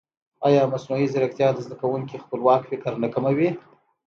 ایا مصنوعي ځیرکتیا د زده کوونکي خپلواک فکر نه کموي؟